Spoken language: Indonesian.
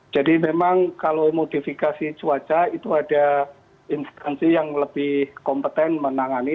jadi memang kalau modifikasi cuaca itu ada instansi yang lebih kompeten menangani